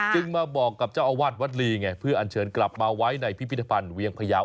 มาบอกกับเจ้าอาวาสวัดลีไงเพื่ออัญเชิญกลับมาไว้ในพิพิธภัณฑ์เวียงพยาว